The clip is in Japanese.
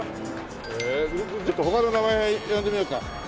へえちょっと他の名前呼んでみようか。